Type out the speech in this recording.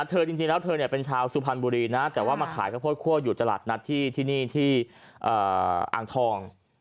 จริงแล้วเธอเป็นชาวสุพรรณบุรีนะแต่ว่ามาขายข้าวโพดคั่วอยู่ตลาดนัดที่นี่ที่อ่างทอง